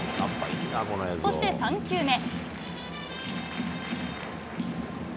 そして３球目。